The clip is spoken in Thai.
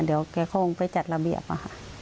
เดี๋ยวแกคงไปจัดระเบียบค่ะ